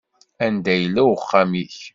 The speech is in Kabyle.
Anda yella uxxam-ik?